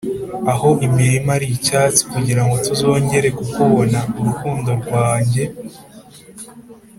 aho imirima ari icyatsi kugirango tuzongere kukubona, urukundo rwanjye